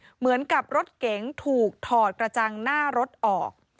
เหมือนกับรถเก๋งถูกถอดกระจังหน้ารถออก